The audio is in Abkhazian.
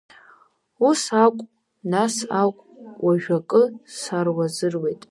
Ус акә, анс акә, уажә акы саруазыруеит…